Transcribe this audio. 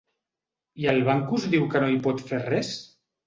I el banc us diu que no hi pot fer res?